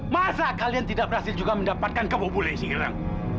masa kalian tidak berhasil juga mendapatkan kerbobolek si hiram